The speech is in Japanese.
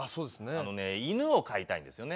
あのね犬を飼いたいんですよね。